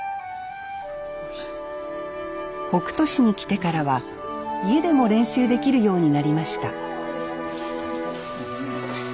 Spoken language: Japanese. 北杜市に来てからは家でも練習できるようになりました